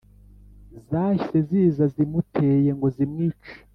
zahise ziza zimuteye ngo zimwice.